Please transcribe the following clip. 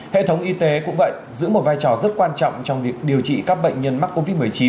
hệ thống y tế cũng vậy giữ một vai trò rất quan trọng trong việc điều trị các bệnh nhân mắc covid một mươi chín